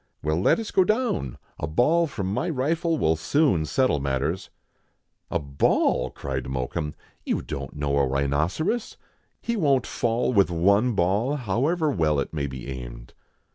" Well, let us go down, a ball from my rifle will soon settle matters." "A ball!" cried Mokoum; "you don't know a rhino eros. He won't fall with one ball, however well it may be aimed."